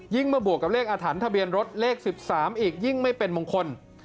มาบวกกับเลขอาถรรพ์ทะเบียนรถเลข๑๓อีกยิ่งไม่เป็นมงคล